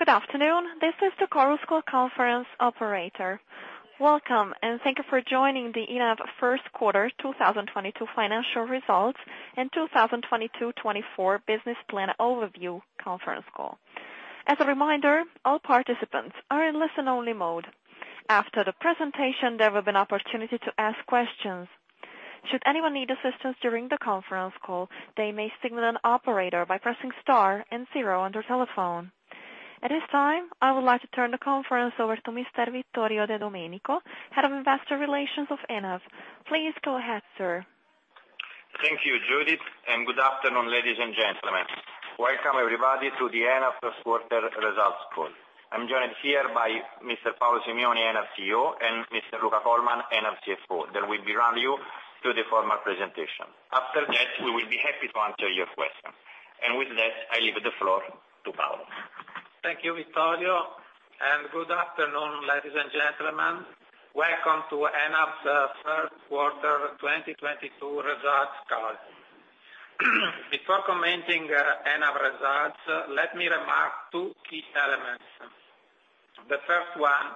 Good afternoon. This is the Chorus Call conference operator. Welcome, and thank you for joining the ENAV first quarter 2022 financial results and 2022-2024 business plan overview conference call. As a reminder, all participants are in listen only mode. After the presentation, there will be an opportunity to ask questions. Should anyone need assistance during the conference call, they may signal an operator by pressing star and zero on their telephone. At this time, I would like to turn the conference over to Mr. Vittorio De Domenico, Head of Investor Relations of ENAV. Please go ahead, sir. Thank you, Judith, and good afternoon, ladies and gentlemen. Welcome, everybody, to the ENAV first quarter results call. I'm joined here by Mr. Paolo Simioni, ENAV CEO, and Mr. Luca Colman, ENAV CFO. They will run you through the formal presentation. After that, we will be happy to answer your questions. With that, I leave the floor to Paolo. Thank you, Vittorio, and good afternoon, ladies and gentlemen. Welcome to ENAV's first quarter 2022 results call. Before commenting ENAV results, let me remark two key elements. The first one,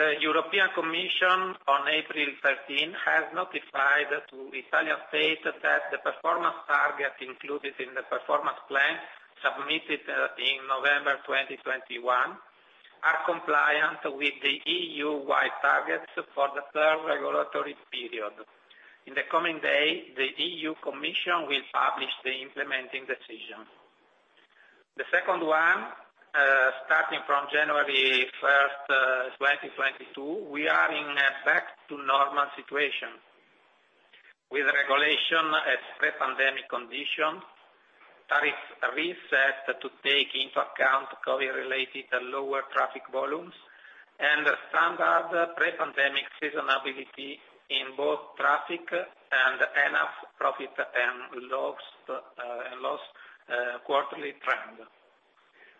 the European Commission on April 13 has notified to Italian state that the performance target included in the performance plan submitted in November 2021 are compliant with the EU-wide targets for the third regulatory period. In the coming days, the EU Commission will publish the implementing decision. The second one, starting from January 1 2022, we are in a back to normal situation with regulation at pre-pandemic conditions, tariff reset to take into account COVID related lower traffic volumes and standard pre-pandemic seasonality in both traffic and ENAV profit and loss quarterly trend.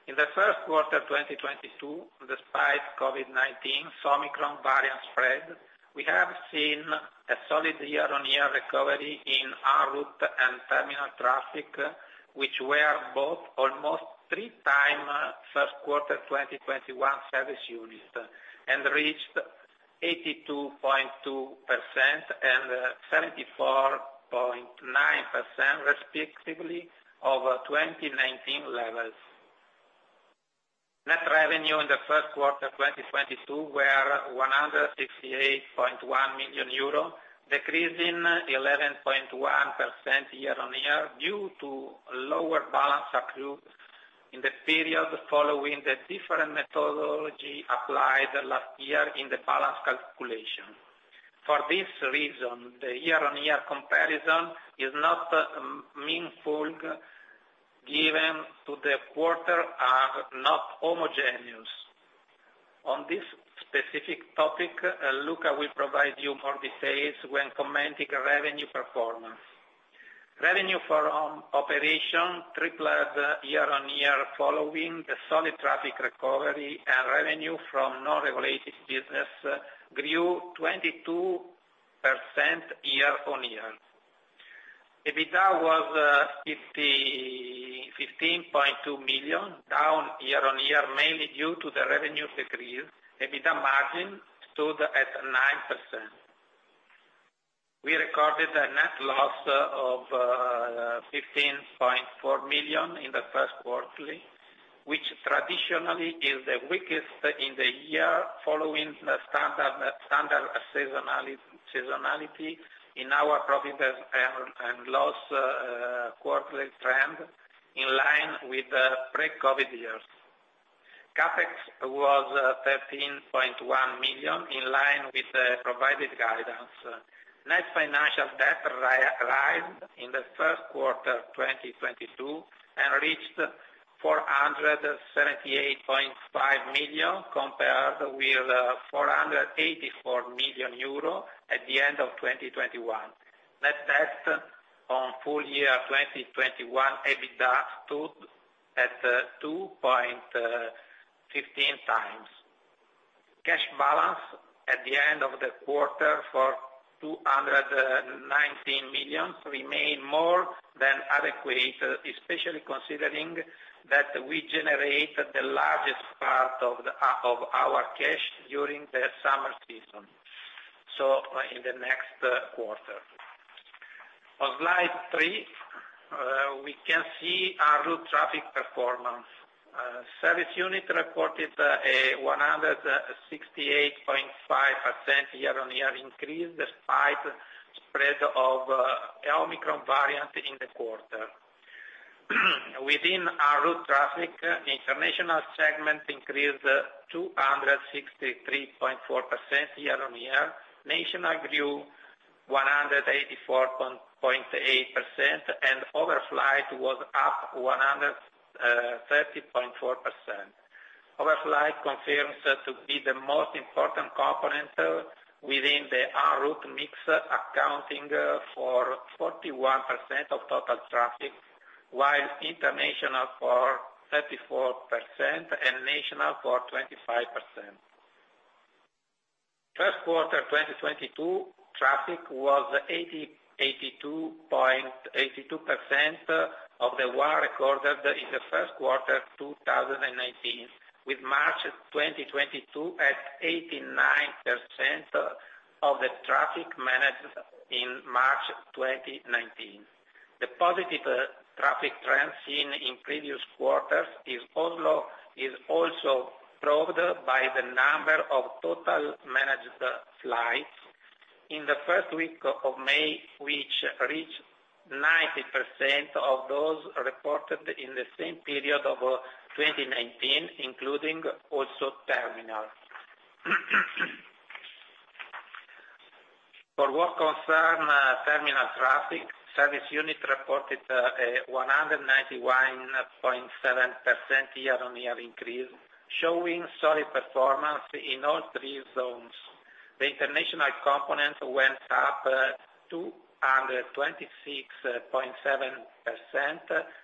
In the first quarter 2022, despite COVID-19 Omicron variant spread, we have seen a solid year-on-year recovery in en route and terminal traffic, which were both almost 3x first quarter 2021 service units and reached 82.2% and 74.9% respectively over 2019 levels. Net revenue in the first quarter 2022 were 168.1 million euro, decreasing 11.1% year-on-year due to lower balance accrued in the period following the different methodology applied last year in the balance calculation. For this reason, the year-on-year comparison is not meaningful given that the quarters are not homogeneous. On this specific topic, Luca will provide you more details when commenting revenue performance. Revenue from operations tripled year-on-year following the solid traffic recovery and revenue from non-related business grew 22% year-on-year. EBITDA was 15.2 million, down year-on-year, mainly due to the revenue decrease. EBITDA margin stood at 9%. We recorded a net loss of 15.4 million in the first quarterly, which traditionally is the weakest in the year following the standard seasonality in our profit and loss quarterly trend in line with the pre-COVID years. CapEx was 13.1 million, in line with the provided guidance. Net financial debt rose in the first quarter 2022 and reached 478.5 million compared with 484 million euro at the end of 2021. Net debt on full year 2021 EBITDA stood at 2.15x. Cash balance at the end of the quarter of 219 million remains more than adequate, especially considering that we generate the largest part of our cash during the summer season, so in the next quarter. On slide three, we can see our en route traffic performance. Service units reported a 168.5% year-on-year increase despite spread of Omicron variant in the quarter. Within our en route traffic, international segment increased 263.4% year-on-year. National grew 184.8% and overflight was up 130.4%. Overflight confirms to be the most important component within the en route mix accounting for 41% of total traffic, while international for 34% and national for 25%. First quarter 2022 traffic was 82.82% of 2019 recorded in the first quarter 2019, with March 2022 at 89% of the traffic managed in March 2019. The positive traffic trends seen in previous quarters is also proved by the number of total managed flights in the first week of May, which reached 90% of those reported in the same period of 2019, including also terminal. For what concerns terminal traffic, service units reported a 191.7% year-on-year increase, showing solid performance in all three zones. The international component went up 226.7%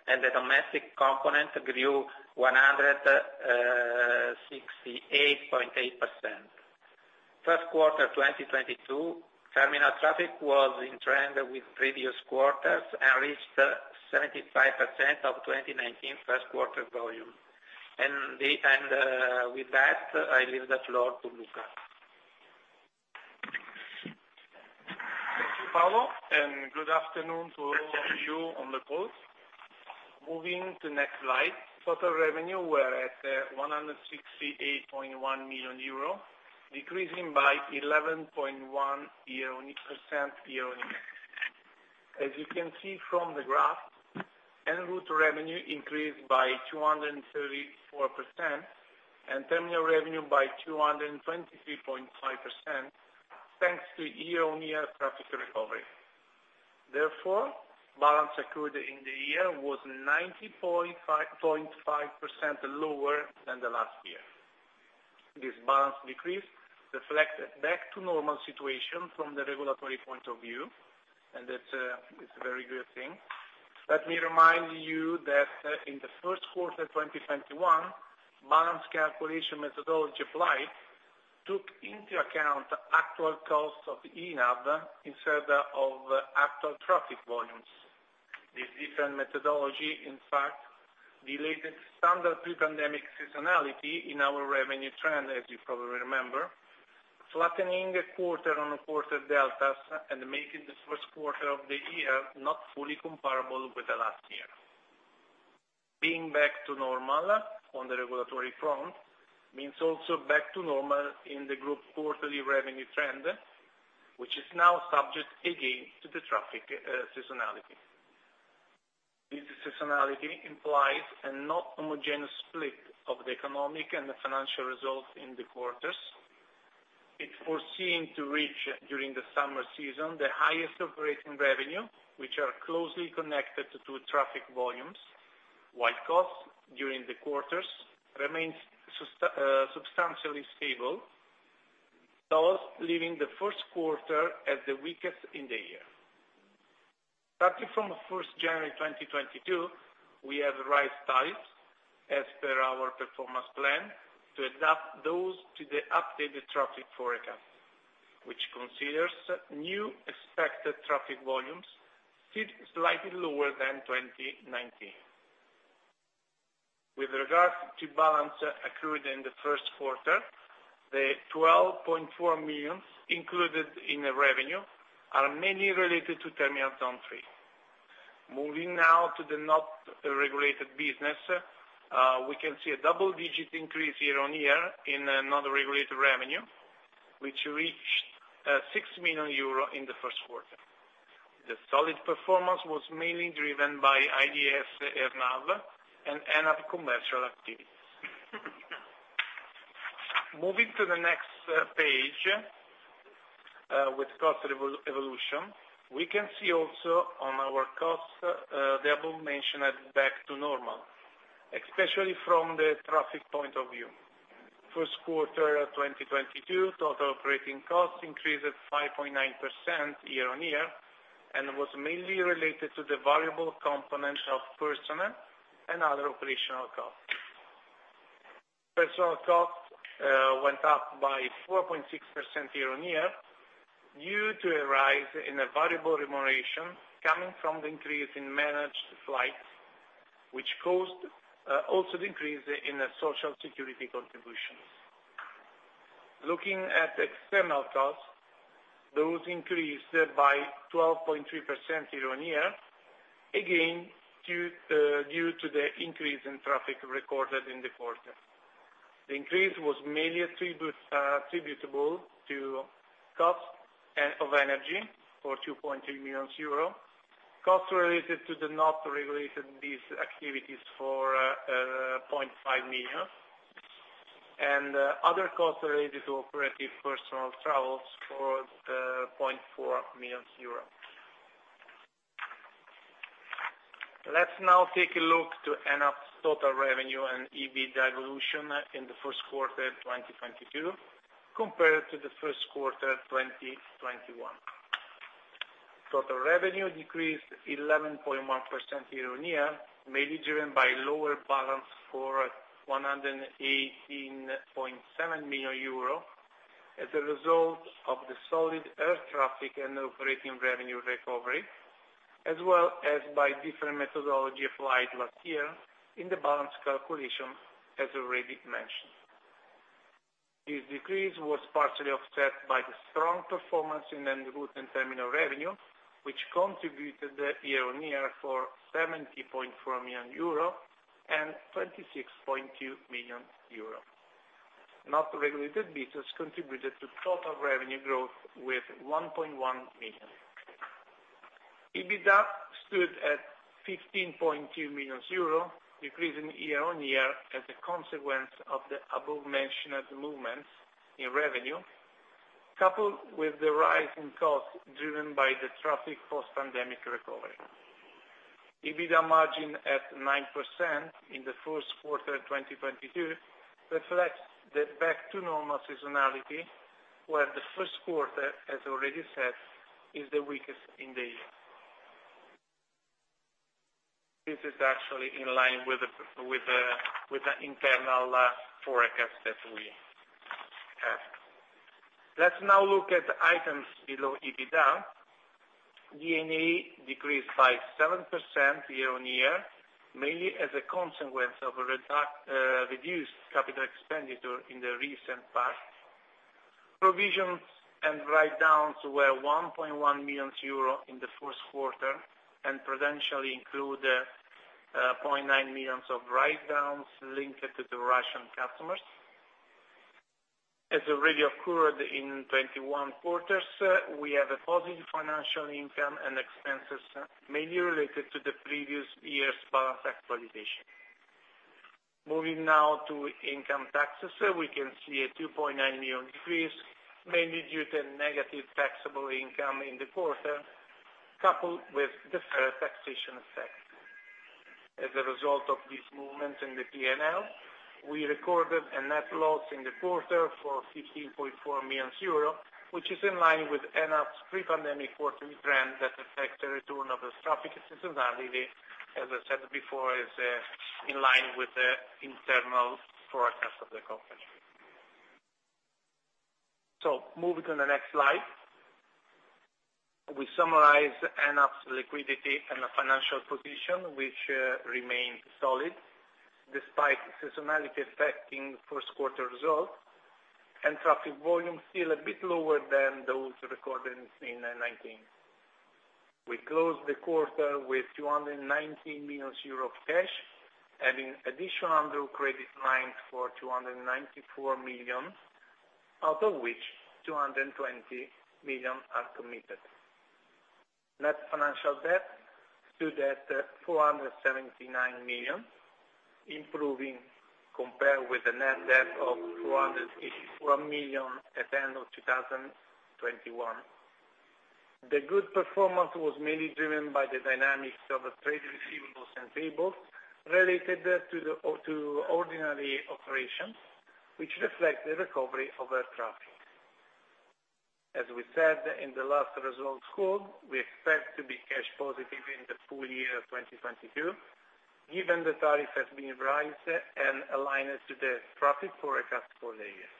and the domestic component grew 168.8%. First quarter 2022, terminal traffic was in trend with previous quarters and reached 75% of 2019 first quarter volume. With that, I leave the floor to Luca. Thank you, Paolo, and good afternoon to you on the call. Moving to next slide. Total revenue were at 168.1 million euro, decreasing by 11.1% year-on-year. As you can see from the graph, en route revenue increased by 234% and terminal revenue by 223.5%, thanks to year-on-year traffic recovery. Therefore, balance accrued in the year was 95.5% lower than the last year. This balance decrease reflect back to normal situation from the regulatory point of view, and that is a very good thing. Let me remind you that in the first quarter 2021, balance calculation methodology applied took into account actual costs of ENAV instead of actual traffic volumes. This different methodology, in fact, delayed standard pre-pandemic seasonality in our revenue trend, as you probably remember, flattening quarter-on-quarter deltas and making the first quarter of the year not fully comparable with the last year. Being back to normal on the regulatory front means also back to normal in the group quarterly revenue trend, which is now subject again to the traffic, seasonality. This seasonality implies a not homogenous split of the economic and the financial results in the quarters. It's foreseen to reach during the summer season the highest operating revenue, which are closely connected to traffic volumes, while costs during the quarters remains substantially stable, thus leaving the first quarter as the weakest in the year. Starting from January 1, 2022, we have raised rates as per our performance plan to adapt those to the updated traffic forecast, which considers new expected traffic volumes still slightly lower than 2019. With regard to balance accrued in the first quarter, the 12.4 million included in the revenue are mainly related to terminal zone three. Moving now to the non-regulated business, we can see a double-digit increase year-on-year in non-regulated revenue, which reached 6 million euro in the first quarter. The solid performance was mainly driven by IDS AirNav and ENAV commercial activities. Moving to the next page with cost evolution, we can see also on our costs the above mentioned back to normal, especially from the traffic point of view. First quarter 2022, total operating costs increased 5.9% year-on-year and was mainly related to the variable components of personnel and other operational costs. Personnel costs went up by 4.6% year-on-year due to a rise in the variable remuneration coming from the increase in managed flights, which caused also the increase in the social security contributions. Looking at external costs, those increased by 12.3% year-on-year, again due to the increase in traffic recorded in the quarter. The increase was mainly attributable to costs of energy for 2.3 million euro, costs related to the non-regulated business activities for 0.5 million, and other costs related to operative personnel travels for EUR 0.4 million. Let's now take a look at ENAV's total revenue and EBITDA evolution in the first quarter 2022 compared to the first quarter 2021. Total revenue decreased 11.1% year-on-year, mainly driven by lower billing of 118.7 million euro as a result of the solid air traffic and operating revenue recovery, as well as by different methodology applied last year in the billing calculation, as already mentioned. This decrease was partially offset by the strong performance in en route and terminal revenue, which contributed year-on-year 70.4 million euro and 26.2 million euro. Non-regulated business contributed to total revenue growth with 1.1 million. EBITDA stood at 15.2 million euro, decreasing year-on-year as a consequence of the above-mentioned movements in revenue, coupled with the rise in costs driven by the traffic post-pandemic recovery. EBITDA margin at 9% in the first quarter 2022 reflects the back to normal seasonality, where the first quarter, as already said, is the weakest in the year. This is actually in line with the internal forecast that we have. Let's now look at the items below EBITDA. D&A decreased by 7% year-on-year, mainly as a consequence of a reduced capital expenditure in the recent past. Provisions and write-downs were 1.1 million euro in the first quarter, and potentially include 0.9 million of write-downs linked to the Russian customers. As already occurred in 2021 quarters, we have a positive financial income and expenses mainly related to the previous year's balance actualization. Moving now to income taxes, we can see a 2.9 million decrease, mainly due to negative taxable income in the quarter, coupled with deferred taxation effect. As a result of this movement in the P&L, we recorded a net loss in the quarter of 15.4 million euro, which is in line with ENAV's pre-pandemic quarterly trend that affects the return of the traffic seasonality, as I said before, is in line with the internal forecast of the company. Moving to the next slide. We summarize ENAV's liquidity and the financial position, which remains solid despite seasonality affecting first quarter results and traffic volume still a bit lower than those recorded in 2019. We closed the quarter with 219 million euros cash, having additional undrawn credit lines for 294 million, out of which 220 million are committed. Net financial debt stood at 479 million, improving compared with the net debt of 484 million at the end of 2021. The good performance was mainly driven by the dynamics of trade receivables and payables related to ordinary operations, which reflect the recovery of air traffic. As we said in the last results call, we expect to be cash positive in the full year 2022, given the tariff has been raised and aligned to the traffic forecast for the year.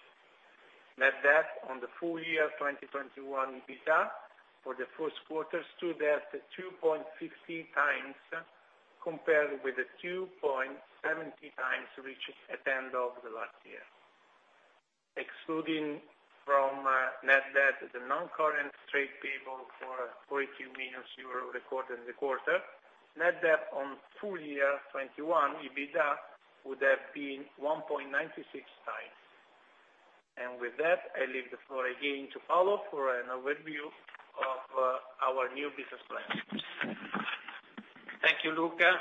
Net debt on the full year 2021 EBITDA for the first quarter stood at 2.50x, compared with the 2.70x reached at the end of the last year. Excluding from net debt, the non-current trade payable for 40 million euro recorded in the quarter, net debt on full year 2021 EBITDA would have been 1.96x. With that, I leave the floor again to Paolo for an overview of our new business plan. Thank you, Luca.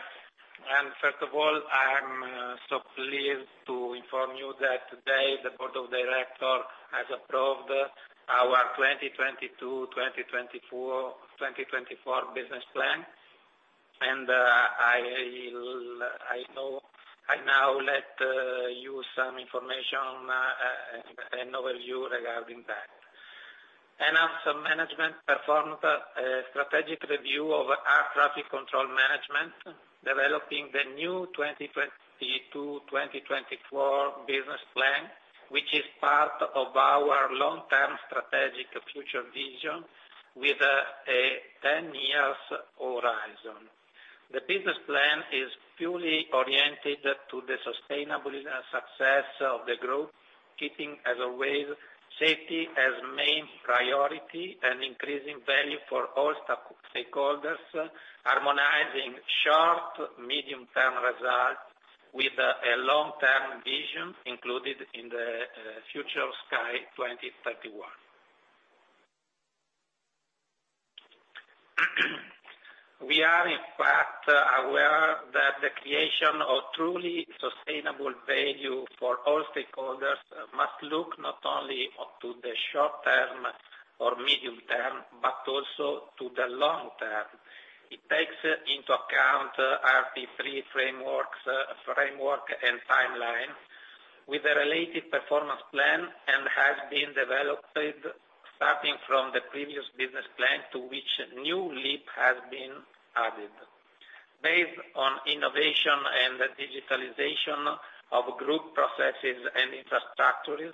First of all, I'm so pleased to inform you that today the board of directors has approved our 2022-2024 business plan. I'll now give you some information and an overview regarding that. ENAV's management performed a strategic review of our air traffic management, developing the new 2022-2024 business plan, which is part of our long-term strategic future vision with a 10-year horizon. The business plan is purely oriented to the sustainable success of the growth, keeping as always, safety as main priority and increasing value for all stakeholders, harmonizing short- and medium-term results with a long-term vision included in the Future Sky 2031. We are in fact aware that the creation of truly sustainable value for all stakeholders must look not only up to the short term or medium term, but also to the long term. It takes into account RP3 framework and timeline with a related performance plan and has been developed starting from the previous business plan to which new leap has been added. Based on innovation and digitalization of group processes and infrastructures,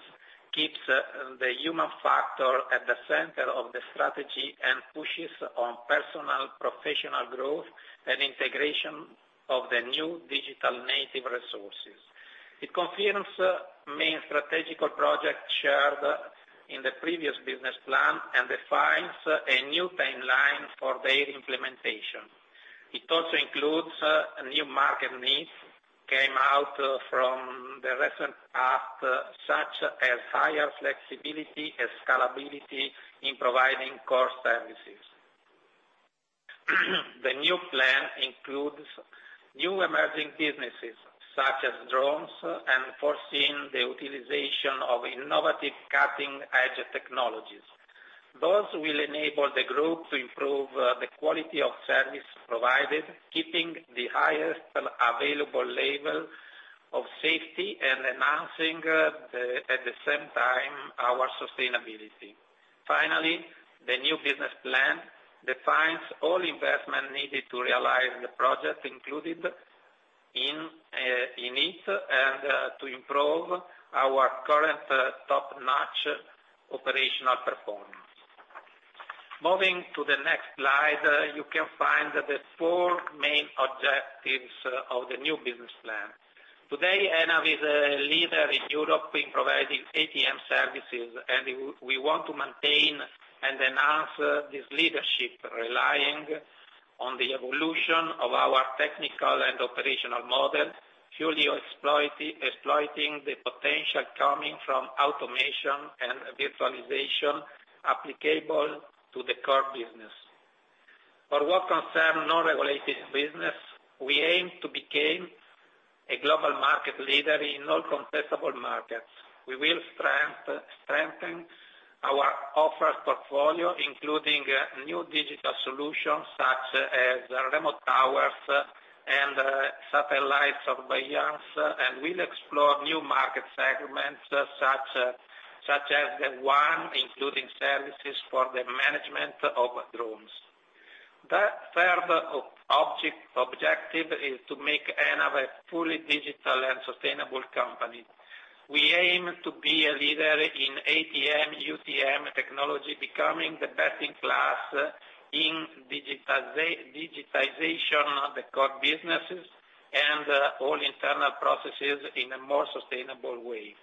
keeps the human factor at the center of the strategy and pushes on personal professional growth and integration of the new digital native resources. It confirms main strategic project shared in the previous business plan and defines a new timeline for their implementation. It also includes new market needs came out from the recent past, such as higher flexibility and scalability in providing core services. The new plan includes new emerging businesses, such as drones and foreseeing the utilization of innovative cutting edge technologies. Those will enable the group to improve the quality of service provided keeping the highest available level of safety and enhancing, at the same time, our sustainability. Finally, the new business plan defines all investment needed to realize the project included in it and to improve our current top-notch operational performance. Moving to the next slide, you can find the four main objectives of the new business plan. Today, ENAV is a leader in Europe in providing ATM services, and we want to maintain and enhance this leadership relying on the evolution of our technical and operational model, fully exploiting the potential coming from automation and virtualization applicable to the core business. For what concerns non-regulated business, we aim to become a global market leader in all contestable markets. We will strengthen our offering portfolio, including new digital solutions, such as remote towers and satellite surveillance, and we'll explore new market segments, such as the one including services for the management of drones. The third objective is to make ENAV a fully digital and sustainable company. We aim to be a leader in ATM, UTM technology, becoming the best in class in digitization of the core businesses and all internal processes in a more sustainable way.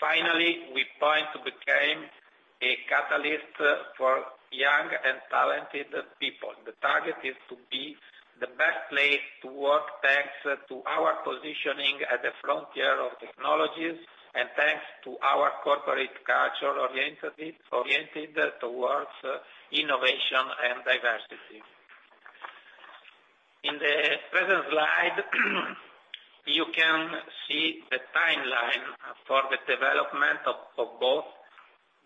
Finally, we plan to become a catalyst for young and talented people. The target is to be the best place to work, thanks to our positioning at the frontier of technologies and thanks to our corporate culture oriented towards innovation and diversity. In the present slide, you can see the timeline for the development of both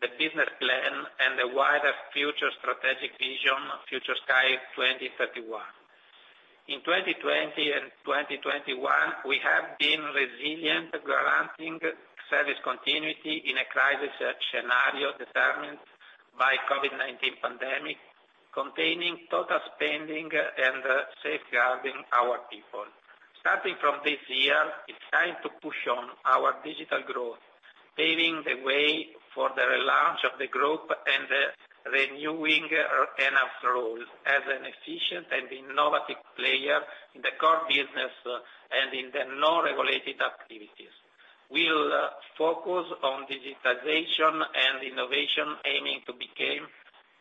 the business plan and the wider future strategic vision, Future Sky 2031. In 2020 and 2021, we have been resilient, granting service continuity in a crisis scenario determined by COVID-19 pandemic, containing total spending and safeguarding our people. Starting from this year, it's time to push on our digital growth, paving the way for the relaunch of the group and renewing ENAV's role as an efficient and innovative player in the core business and in the non-regulated activities. We'll focus on digitization and innovation aiming to became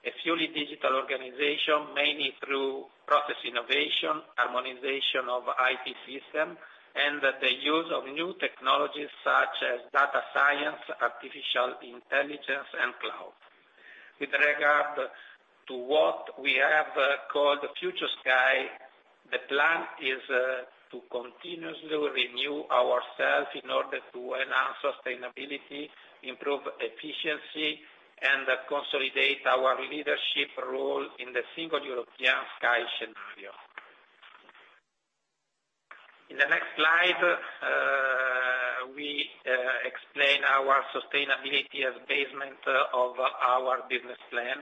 a fully digital organization, mainly through process innovation, harmonization of IT system, and the use of new technologies such as data science, artificial intelligence, and cloud. With regard to what we have called Future Sky, the plan is to continuously renew ourselves in order to enhance sustainability, improve efficiency, and consolidate our leadership role in the Single European Sky scenario. In the next slide, we explain our sustainability as the basis of our business plan.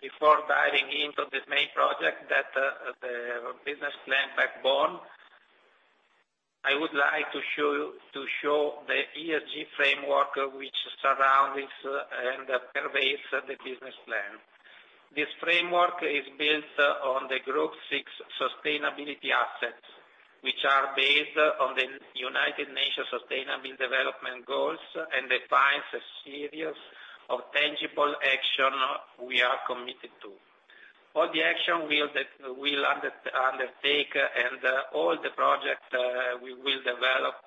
Before diving into the main project that is the business plan backbone, I would like to show the ESG framework which surrounds and pervades the business plan. This framework is built on the Group's six sustainability assets, which are based on the United Nations Sustainable Development Goals and defines a series of tangible actions we are committed to. All the action we'll undertake and all the projects we will develop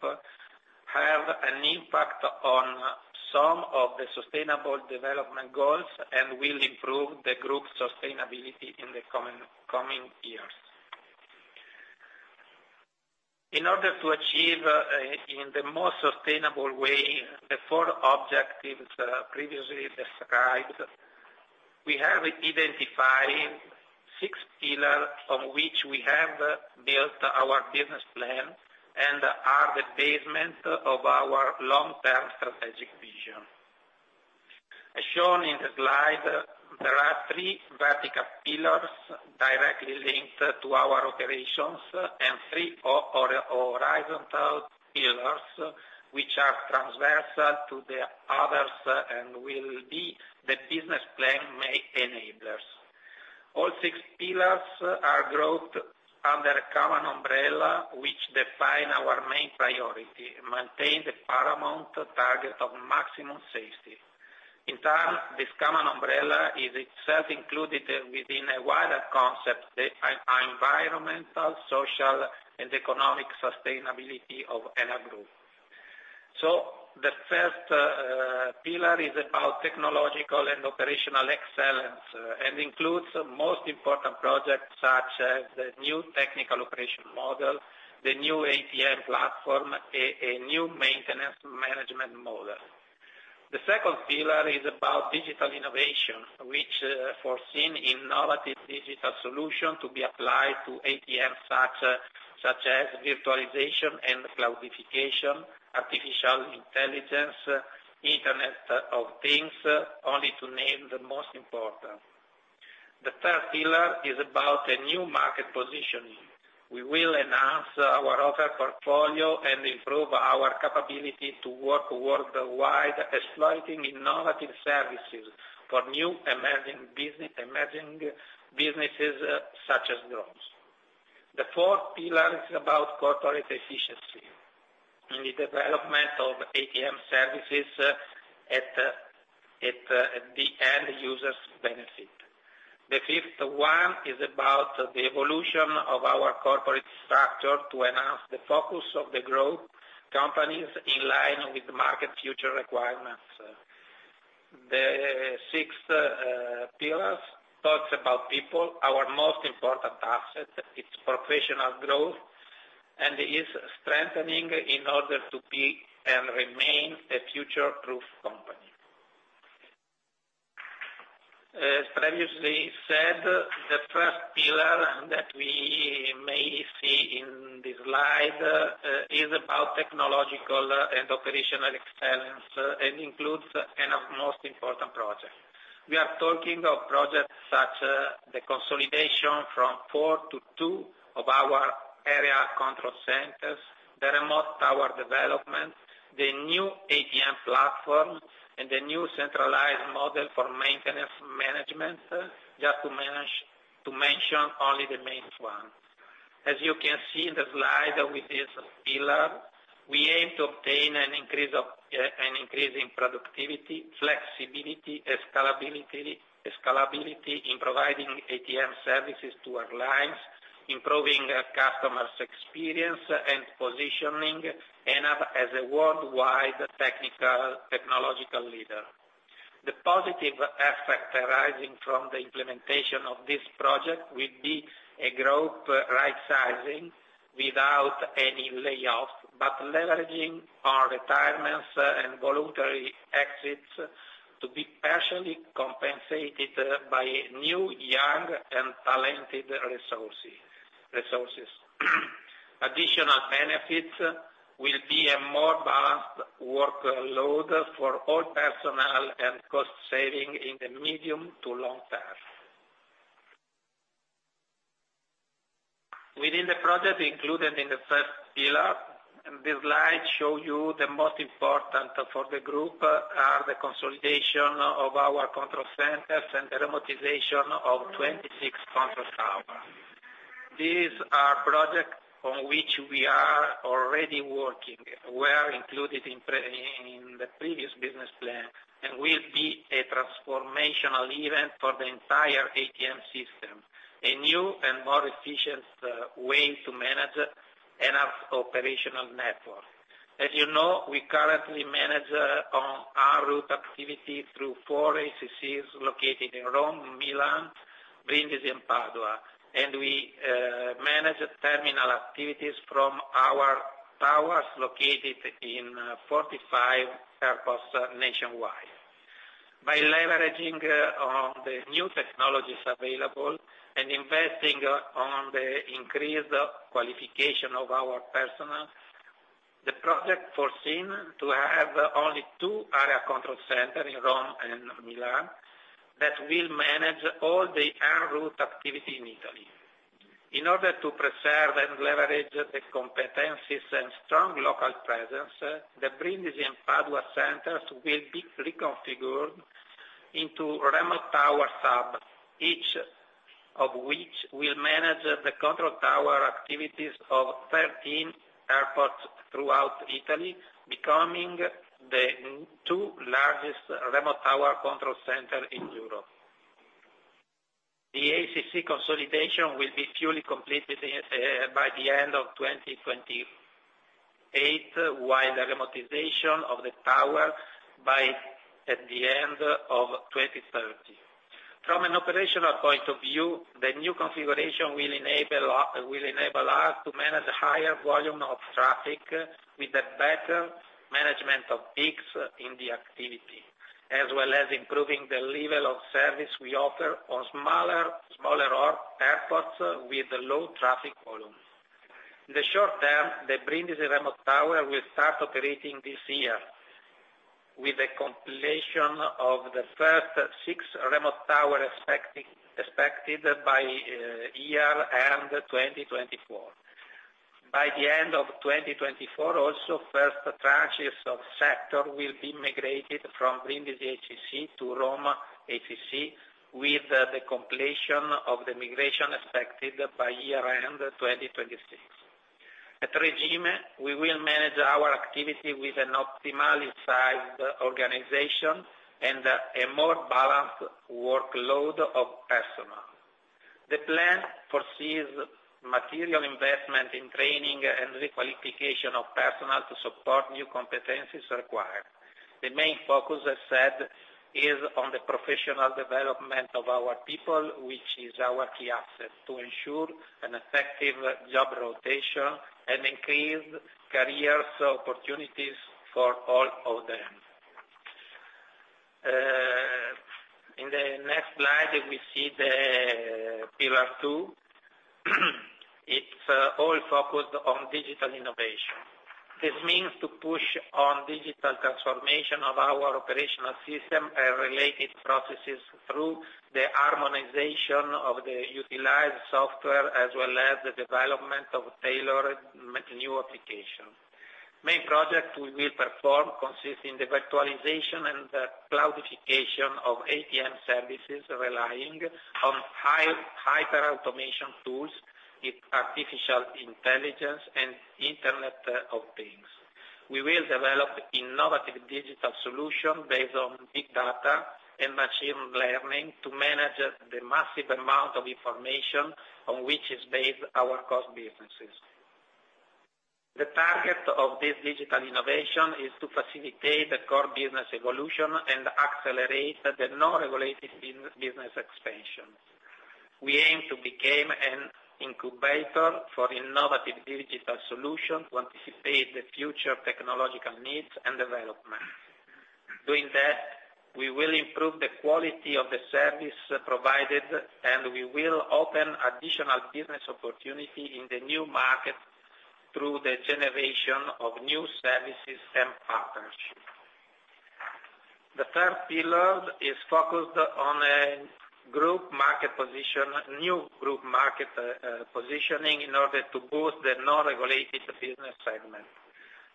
have an impact on some of the Sustainable Development Goals and will improve the group's sustainability in the coming years. In order to achieve in the most sustainable way the four objectives previously described, we have identified six pillars on which we have built our business plan and are the basis of our long-term strategic vision. As shown in the slide, there are three vertical pillars directly linked to our operations and three horizontal pillars which are transversal to the others and will be the business plan main enablers. All six pillars are grouped under common umbrella which define our main priority, maintain the paramount target of maximum safety. In turn, this common umbrella is itself included within a wider concept, the environmental, social, and economic sustainability of ENAV Group. The first pillar is about technological and operational excellence and includes the most important projects such as the new technical operation model, the new ATM platform, a new maintenance management model. The second pillar is about digital innovation, which foresees innovative digital solutions to be applied to ATM sector, such as virtualization and cloudification, artificial intelligence, Internet of Things, only to name the most important. The third pillar is about a new market positioning. We will enhance our offering portfolio and improve our capability to work worldwide, exploiting innovative services for new emerging businesses such as drones. The fourth pillar is about corporate efficiency in the development of ATM services at the end users' benefit. The fifth one is about the evolution of our corporate structure to enhance the focus of the growth companies in line with market future requirements. The sixth pillar talks about people, our most important asset, its professional growth, and is strengthening in order to be and remain a future-proof company. As previously said, the first pillar that we may see in this slide is about technological and operational excellence, and includes ENAV most important project. We are talking of projects such as the consolidation from four to two of our area control centers, the remote tower development, the new ATM platform, and the new centralized model for maintenance management, just to mention only the main one. As you can see in the slide with this pillar, we aim to obtain an increase in productivity, flexibility, scalability in providing ATM services to airlines, improving our customers' experience, and positioning ENAV as a worldwide technological leader. The positive effect arising from the implementation of this project will be a group right-sizing without any layoffs, but leveraging our retirements and voluntary exits to be partially compensated by new, young, and talented resources. Additional benefits will be a more balanced workload for all personnel and cost saving in the medium to long term. Within the project included in the first pillar, this slide shows you the most important for the group, the consolidation of our control centers and remotization of 26 control towers. These are projects on which we are already working, were included in the previous business plan, and will be a transformational event for the entire ATM system, a new and more efficient way to manage ENAV's operational network. As you know, we currently manage on en route activity through four ACCs located in Rome, Milan, Brindisi, and Padua, and we manage terminal activities from our towers located in 45 airports nationwide. By leveraging on the new technologies available and investing on the increased qualification of our personnel, the project foreseen to have only two area control center in Rome and Milan that will manage all the en route activity in Italy. In order to preserve and leverage the competencies and strong local presence, the Brindisi and Padua centers will be reconfigured into remote tower hubs, each of which will manage the control tower activities of 13 airports throughout Italy, becoming the two largest remote tower control centers in Europe. The ACC consolidation will be fully completed by the end of 2024, while the remotization of the tower by the end of 2030. From an operational point of view, the new configuration will enable us to manage higher volume of traffic with a better management of peaks in the activity, as well as improving the level of service we offer on smaller airports with low traffic volume. In the short term, the Brindisi remote tower will start operating this year, with the completion of the first six remote towers expected by year end 2024. By the end of 2024 also, first tranches of sectors will be migrated from Brindisi ACC to Rome ACC, with the completion of the migration expected by year end 2026. At regime, we will manage our activity with an optimally sized organization and a more balanced workload of personnel. The plan foresees material investment in training and requalification of personnel to support new competencies required. The main focus, as said, is on the professional development of our people, which is our key asset, to ensure an effective job rotation and increase career opportunities for all of them. In the next slide we see the pillar two. It's all focused on digital innovation. This means to push on digital transformation of our operational system and related processes through the harmonization of the utilized software, as well as the development of tailored new application. Main project we will perform consists in the virtualization and cloudification of ATM services relying on hyperautomation tools with artificial intelligence and Internet of Things. We will develop innovative digital solution based on big data and machine learning to manage the massive amount of information on which is based our core businesses. The target of this digital innovation is to facilitate the core business evolution and accelerate the non-regulated business expansion. We aim to become an incubator for innovative digital solution to anticipate the future technological needs and development. Doing that, we will improve the quality of the service provided and we will open additional business opportunity in the new market through the generation of new services and partnerships. The third pillar is focused on a group market position, new group market positioning in order to boost the non-regulated business segment.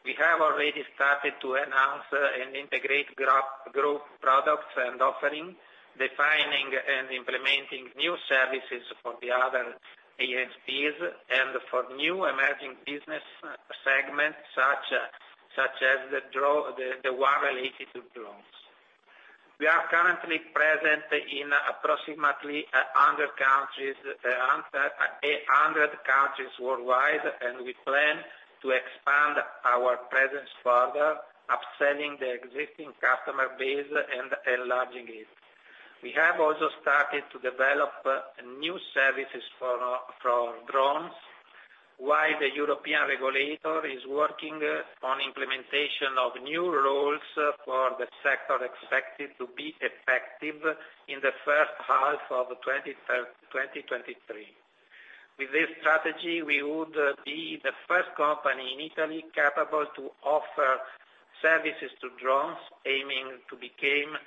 We have already started to announce and integrate group products and offering, defining and implementing new services for the other ANSPs and for new emerging business segments such as the one related to drones. We are currently present in approximately 100 countries worldwide, and we plan to expand our presence further, upselling the existing customer base and enlarging it. We have also started to develop new services for drones, while the European regulator is working on implementation of new rules for the sector expected to be effective in the first half of 2023. With this strategy, we would be the first company in Italy capable to offer services to drones, aiming to become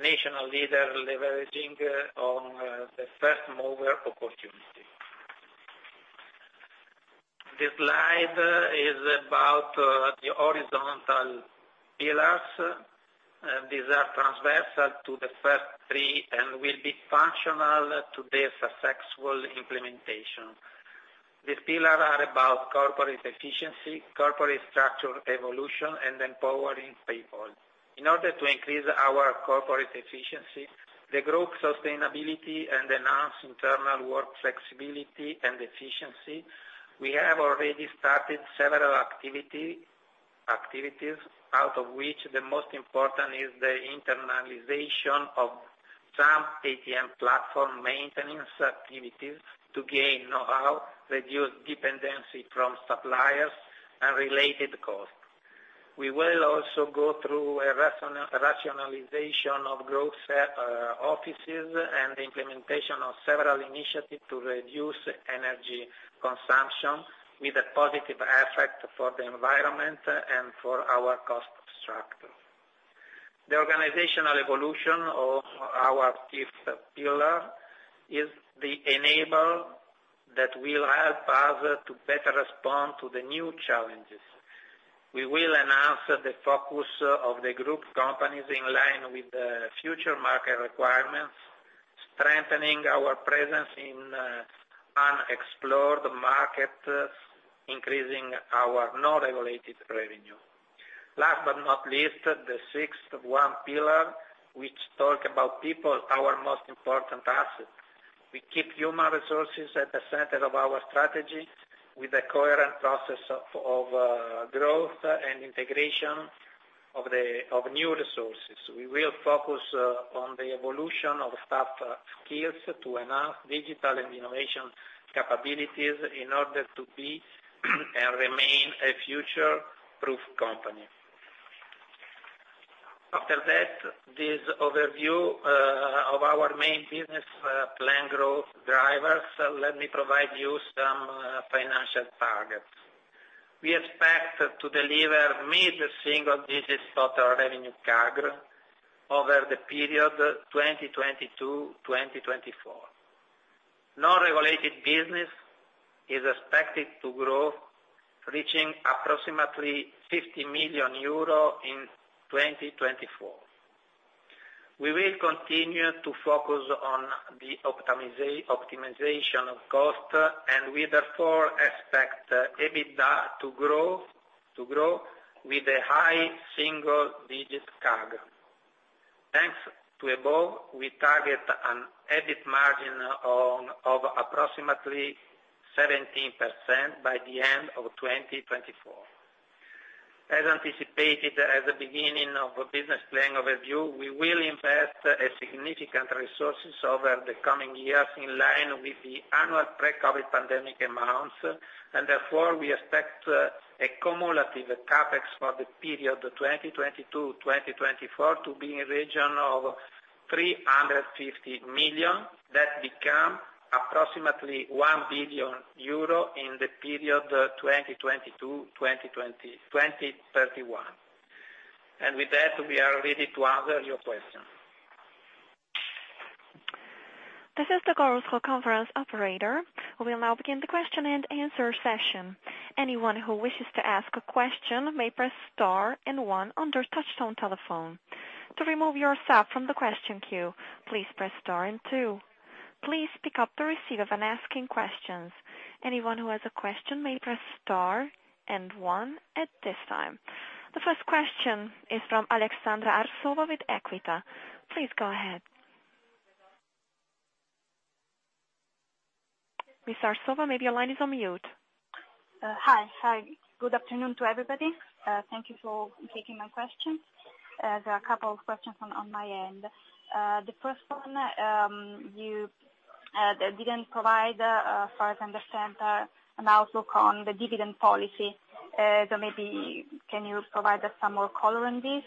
national leader leveraging on the first mover opportunity. This slide is about the horizontal pillars. These are transversal to the first three and will be functional to their successful implementation. These pillars are about corporate efficiency, corporate structure evolution, and empowering people. In order to increase our corporate efficiency, the group sustainability and enhance internal work flexibility and efficiency, we have already started several activities, out of which the most important is the internalization of some ATM platform maintenance activities to gain know-how, reduce dependency from suppliers and related costs. We will also go through a rationalization of group offices and implementation of several initiatives to reduce energy consumption with a positive effect for the environment and for our cost structure. The organizational evolution of our fifth pillar is the enabler that will help us to better respond to the new challenges. We will enhance the focus of the group companies in line with the future market requirements, strengthening our presence in unexplored markets, increasing our non-regulated revenue. Last but not least, the sixth one pillar, which talk about people, our most important asset. We keep human resources at the center of our strategy with a coherent process of growth and integration of the new resources. We will focus on the evolution of staff skills to enhance digital and innovation capabilities in order to be and remain a future-proof company. After that, this overview of our main business plan growth drivers, let me provide you some financial targets. We expect to deliver mid-single digits total revenue CAGR over the period 2022-2024. Non-regulated business is expected to grow, reaching approximately 50 million euro in 2024. We will continue to focus on the optimization of cost, and we therefore expect EBITDA to grow with a high single digit CAGR. Thanks to above, we target an EBIT margin of approximately 17% by the end of 2024. As anticipated at the beginning of business planning overview, we will invest significant resources over the coming years in line with the annual pre-COVID pandemic amounts. Therefore, we expect a cumulative CapEx for the period 2022-2024 to be in region of 350 million. That become approximately 1 billion euro in the period 2022-2031. With that, we are ready to answer your questions. This is the Chorus Call conference operator who will now begin the question and answer session. Anyone who wishes to ask a question may press star and one under touch tone telephone. To remove your stock from the question queue, please press star and two. Please pick up the receipt of an asking questions anyone has a question made by star and one. At this, time the first question is from Aleksandra Arsova with EQUITA. Please go ahead. Ms. Arsova, maybe your line is on mute. Hi, good afternoon to everybody. Thank you for taking my question. There's a couple of question on from my end. The first one, you didn't provide for understand and also con the dividend policy. So maybe can you provide us some more color on this?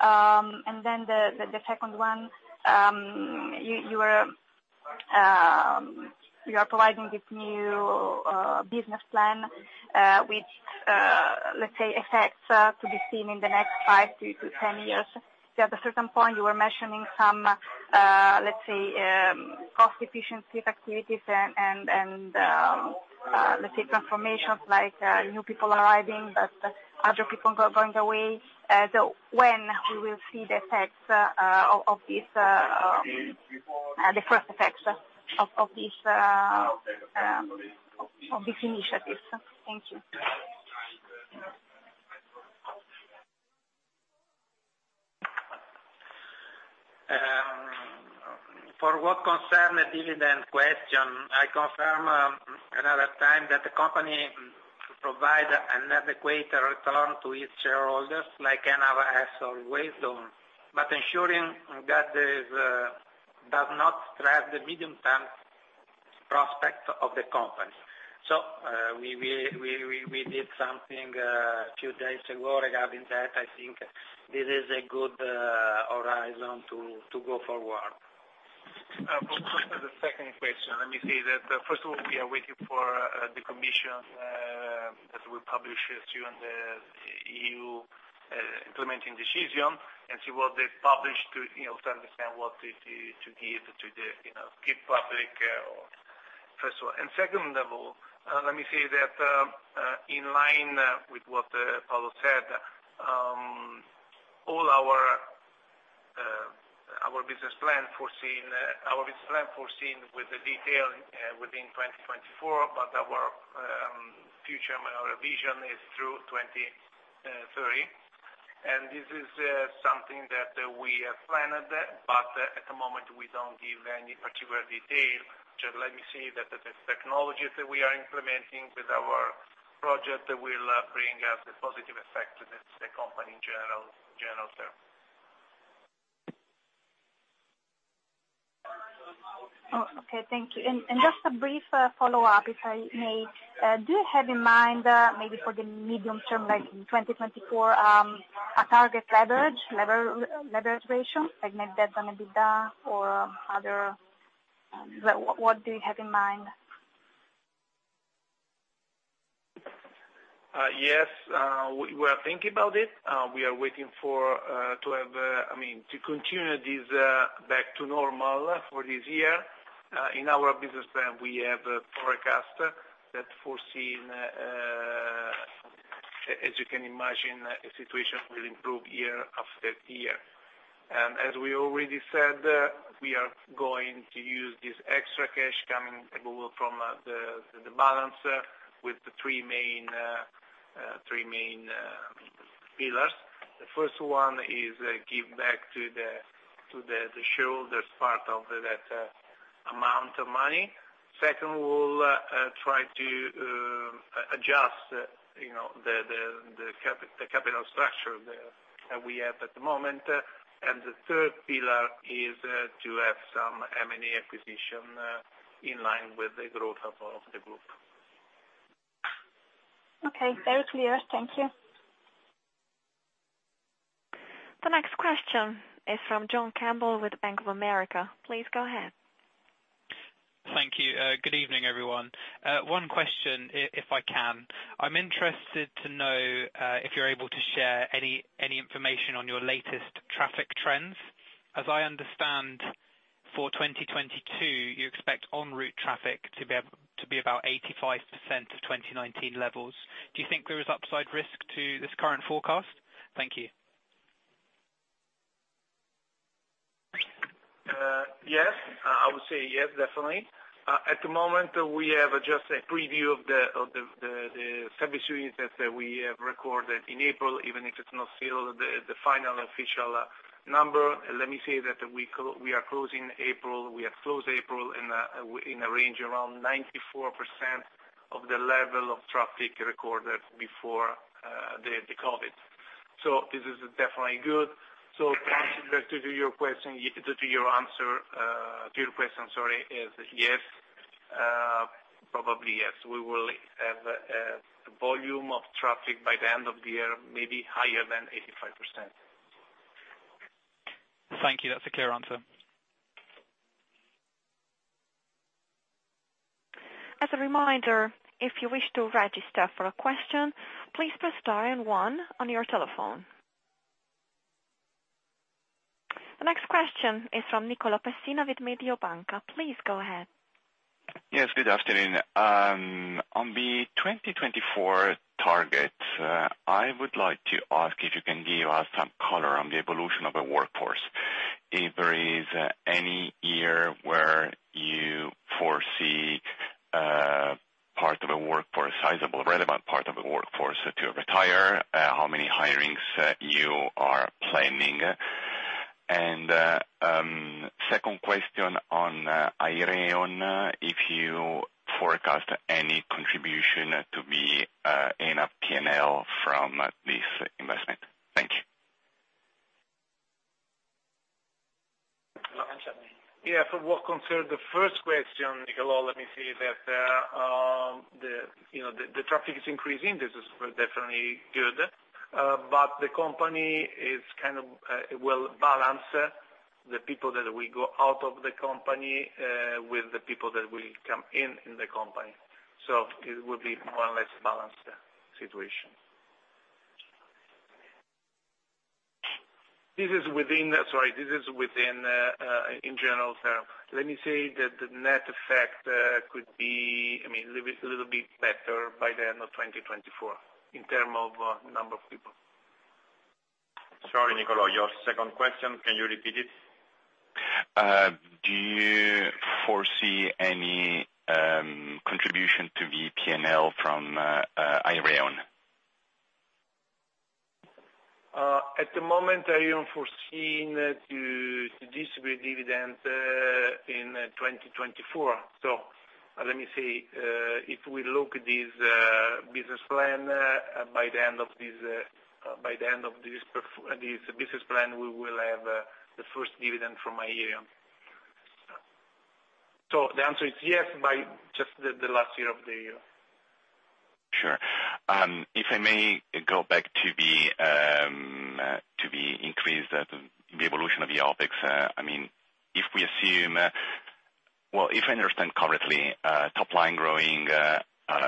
And the second one, you are providing this new business plan which? Let's say effects to be seen in the next five to 10 years. So at a certain point you were mentioning some let's say cost efficiency activities and the transformation of like new people arriving but other people going away through when we will see the effects of this initiatives? thank you. For what concern the dividend question, I confirm another time that the company provide an adequate return to its shareholders like ENAV has always done. Ensuring that this does not threaten the medium term prospect of the company. We did something a few days ago regarding that. I think this is a good horizon to go forward. For the second question, let me say that first of all, we are waiting for the commission that will publish it during the EU implementing decision and see what they publish, too, you know, to understand what to keep public, first of all. Second of all, let me say that in line with what Paolo said, all our business plan foresees with the detail within 2024, but our future, our vision is through 2030. This is something that we have planned, but at the moment we don't give any particular detail. Just let me say that the technologies that we are implementing with our project will bring us a positive effect to the company in general term. Oh, okay. Thank you. Just a brief follow-up, if I may. Do you have in mind, maybe for the medium term, like in 2024, a target leverage ratio, like net debt on EBITDA or other, what do you have in mind? Yes, we are thinking about it. We are waiting, I mean, to continue this back to normal for this year. In our business plan, we have a forecast that foresees, as you can imagine, a situation that will improve year-after-year. As we already said, we are going to use this extra cash coming from the balance with the three main pillars. The first one is give back to the shareholders part of that amount of money. Second, we'll try to adjust, you know, the capital structure that we have at the moment. The third pillar is to have some M&A acquisition in line with the growth of the group. Okay, very clear. Thank you. The next question is from John Campbell with Bank of America. Please go ahead. Thank you. Good evening, everyone. One question if I can. I'm interested to know if you're able to share any information on your latest traffic trends. As I understand, for 2022, you expect en route traffic to be about 85% of 2019 levels. Do you think there is upside risk to this current forecast? Thank you. Yes. I would say yes, definitely. At the moment we have just a preview of the service units that we have recorded in April, even if it's not still the final official number. Let me say that we have closed April in a range around 94% of the level of traffic recorded before the COVID. This is definitely good. Back to your question, sorry, is yes, probably, yes. We will have the volume of traffic by the end of the year, maybe higher than 85%. Thank you. That's a clear answer. As a reminder, if you wish to register for a question, please press star and one on your telephone. The next question is from Nicolò Pessina with Mediobanca. Please go ahead. Yes, good afternoon. On the 2024 target, I would like to ask if you can give us some color on the evolution of the workforce. If there is any year where you foresee part of a workforce, sizable, relevant part of the workforce to retire, how many hirings you are planning? Second question on Aireon, if you forecast any contribution to be in a P&L from this investment. Thank you. Yeah. For what concerned the first question, Nicolò, let me say that, you know, the traffic is increasing. This is definitely good. But the company will balance the people that will go out of the company with the people that will come in in the company. It will be more or less balanced situation. This is within in general terms. Let me say that the net effect could be, I mean, little bit better by the end of 2024 in terms of number of people. Sorry, Nicolò, your second question, can you repeat it? Do you foresee any contribution to the P&L from Aireon? At the moment, Aireon foreseen to distribute dividend in 2024. Let me say, if we look this business plan, by the end of this business plan, we will have the first dividend from Aireon. The answer is yes, by just the last year of the- Sure. If I may go back to the evolution of the OpEx. I mean, if I understand correctly, top line growing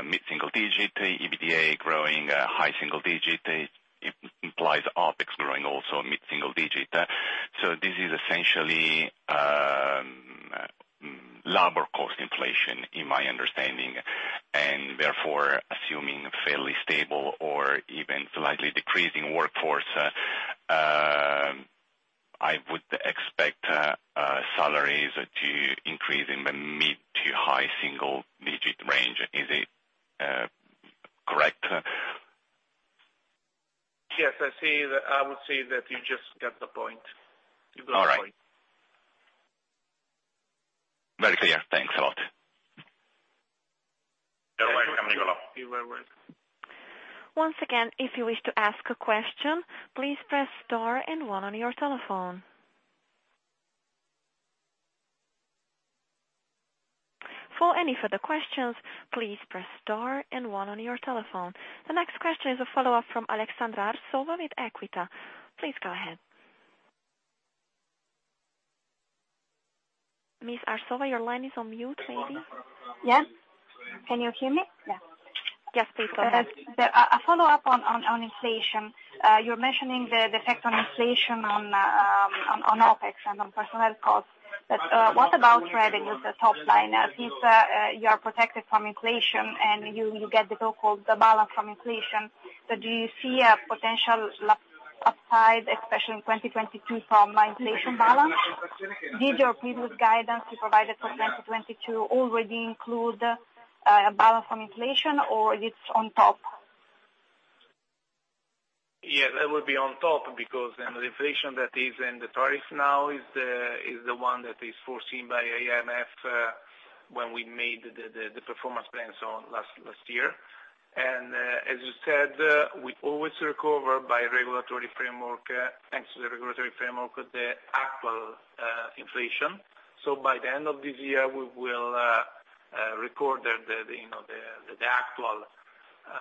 mid-single-digit %, EBITDA growing high single-digit %, it implies OpEx growing also mid-single-digit %. This is essentially labor cost inflation in my understanding, and therefore assuming fairly stable or even slightly decreasing workforce, I would expect salaries to increase in the mid- to high single-digit % range. Is it correct? Yes, I see that. I would say that you just got the point. You got the point. All right. Very clear. Thanks a lot. You're welcome, Nicolò. You are welcome. Once again, if you wish to ask a question, please press star and one on your telephone. For any further questions, please press star and one on your telephone. The next question is a follow-up from Aleksandra Arsova with EQUITA. Please go ahead. Ms. Arsova, your line is on mute, maybe. Yes. Can you hear me? Yes. Yes, please go ahead. A follow-up on inflation. You're mentioning the effect of inflation on OpEx and on personnel costs, but what about revenue, the top line? Since you are protected from inflation and you get the so-called balance from inflation. Do you see a potential upside, especially in 2022 from inflation balance? Did your previous guidance you provided for 2022 already include a balance from inflation or it's on top? Yeah, that would be on top because the inflation that is in the tariff now is the one that is foreseen by IMF when we made the performance plans in last year. As you said, we always recover by regulatory framework thanks to the regulatory framework with the actual inflation. By the end of this year, we will record the you know the actual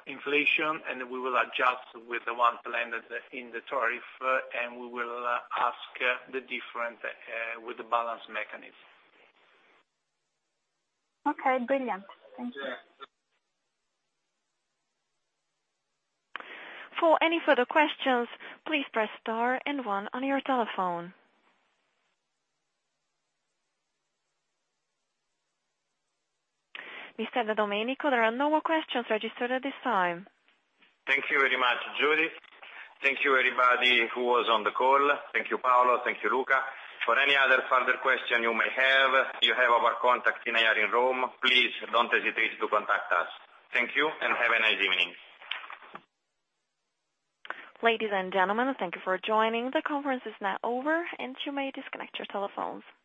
inflation, and we will adjust with the one planned in the tariff, and we will adjust the difference with the balance mechanism. Okay, brilliant. Thank you. For any further questions, please press star and one on your telephone. Mr. De Domenico, there are no more questions registered at this time. Thank you very much, Judy. Thank you everybody who was on the call. Thank you, Paolo. Thank you, Luca. For any other further question you may have, you have our contact in IR in Rome. Please don't hesitate to contact us. Thank you and have a nice evening. Ladies and gentlemen, thank you for joining. The conference is now over, and you may disconnect your telephones.